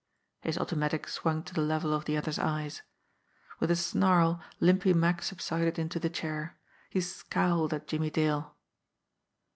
His automatic swung to the level of the other's eyes. With a snarl, Limpy Mack subsided into the chair. He scowled at Jimmie Dale.